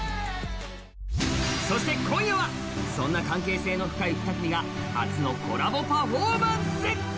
そして今夜は、そんな関係性の深い２組が、初のコラボパフォーマンス。